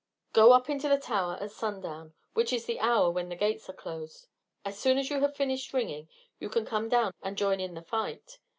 Go up into the tower at sundown, which is the hour when the gates are closed. As soon as you have finished ringing you can come down and join in the fight.